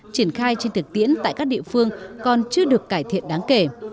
triển khai trên thực tiễn tại các địa phương còn chưa được cải thiện đáng kể